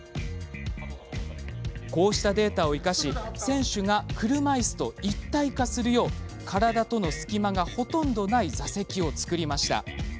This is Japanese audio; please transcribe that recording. こうしたデータを生かし選手が車いすと一体化するよう体との隙間がほとんどない座席を作りました。